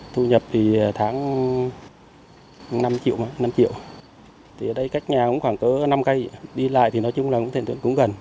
thu nhập thì tháng năm triệu cách nhà cũng khoảng có năm cây đi lại thì nói chung là cũng gần